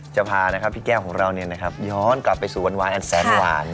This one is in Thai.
จะพานะครับพี่แก้วของเราเนี่ยนะครับย้อนกลับไปสู่วันวายแอดแสดงหวาน